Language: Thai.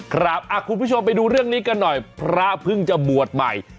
คุณผู้ชมไปดูเรื่องนี้กันหน่อยพระเพิ่งจะบวชใหม่